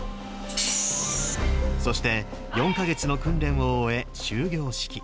そして４か月の訓練を終え、終業式。